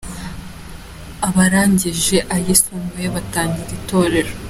Abarangije ayisumbuye batangiye Itorero